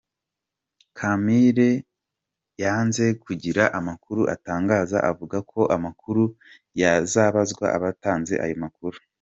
Kampire yanze kugira amakuru atangaza avuga ko amakuru yazayabazwa abatanze ayo makuru.